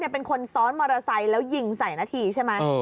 เป็นคนซ้อนมอเตอร์ไซค์แล้วยิงใส่นาทีใช่ไหม